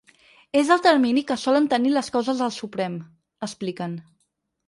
És el termini que solen tenir les causes al Suprem, expliquen.